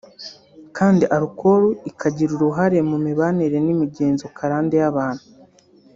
kandi alcohol ikagira uruhare mu mibanire n’imigenzo karande y’abantu